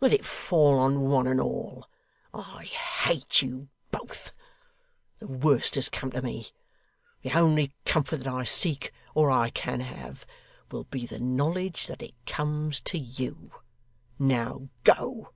Let it fall on one and all. I hate you both. The worst has come to me. The only comfort that I seek or I can have, will be the knowledge that it comes to you. Now go!